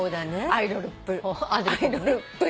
アイドルっぷり。